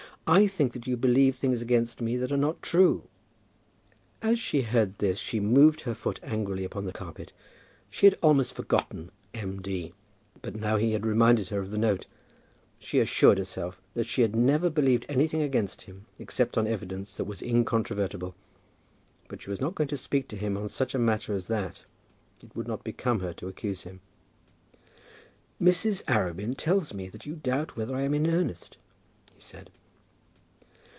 I think that you believe things against me that are not true." As she heard this she moved her foot angrily upon the carpet. She had almost forgotten M. D., but now he had reminded her of the note. She assured herself that she had never believed anything against him except on evidence that was incontrovertible. But she was not going to speak to him on such a matter as that! It would not become her to accuse him. "Mrs. Arabin tells me that you doubt whether I am in earnest," he said.